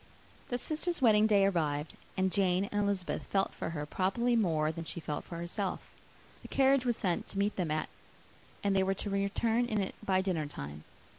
Their sister's wedding day arrived; and Jane and Elizabeth felt for her probably more than she felt for herself. The carriage was sent to meet them at , and they were to return in it by dinnertime.